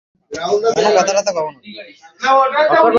প্রতিদিন রাতে আঙুলে নিয়ে আলতো করে চোখের চারপাশে মালিশ করতে হবে।